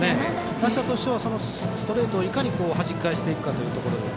打者としては、そのストレートをいかにはじき返していくか。